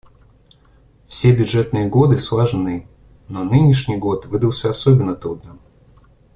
Все бюджетные годы сложны, но нынешний год выдался особенно трудным.